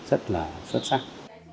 rất là xuất sắc